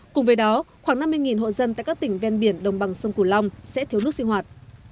cùng với đó khoảng năm mươi hộ dân tại các tỉnh ven biển đồng bằng sông cửu long sẽ thiếu nước sinh hoạt